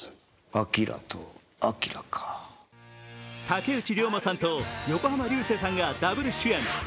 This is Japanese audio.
竹内涼真さんと横浜流星さんがダブル主演。